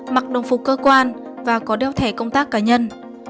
mặc đồng phục cơ quan và có đeo thẻ công tác cá nhân